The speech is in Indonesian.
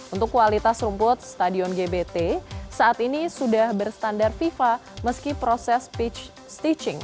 untuk kualitas rumput stadion gbt saat ini sudah berstandar fifa meski proses pitch stitching